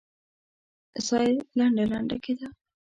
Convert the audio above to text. ساه يې لنډه لنډه کېده.